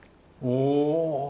お！